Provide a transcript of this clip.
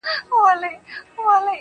په دې وطن كي نستــه بېـــله بنگه ككــرۍ.